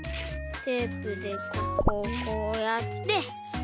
テープでここをこうやってペトッと。